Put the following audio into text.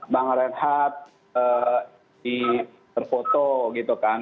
bangar enhad di terfoto gitu kan